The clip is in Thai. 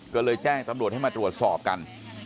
ก็เลยแจ้งตำรวจให้มาตรวจสอบกัน